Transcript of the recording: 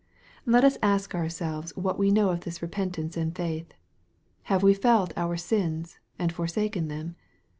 Let us ask ourselves what we know of this repentance and faith. Have we felt our sins, and forsaken them